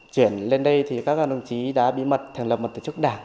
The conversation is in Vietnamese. chuyển lên đây thì các đồng chí đã bí mật thành lập một tổ chức đảng